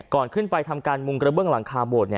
ก่อนขึ้นไปทำการมุงกระเบื้องหลังคาโบสถ